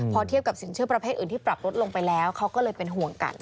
พอเทียบกับสินเชื่อประเภทอื่นที่ปรับลดลงไปแล้วเขาก็เลยเป็นห่วงกัน